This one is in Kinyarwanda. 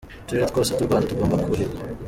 Uturere twose tw’u Rwanda tugomba kuhirwa….